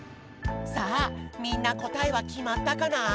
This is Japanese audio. さあみんなこたえはきまったかな？